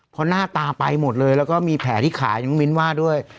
เพราะหน้าตาไปหมดเลยแล้วก็มีแผลที่ขาน้องมิ้นว่าด้วย